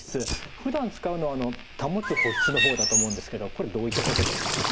ふだん使うのは保つ保湿の方だと思うんですけどこれどういったことですか？